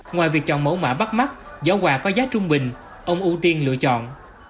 ngoài việc chọn mẫu mã bắt mắt giỏ quà có giá trung bình ông ưu tiên lựa chọn